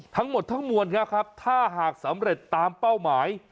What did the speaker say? ทั้งหมดทั้งมวลครับถ้าหากสำเร็จตามเป้าหมาย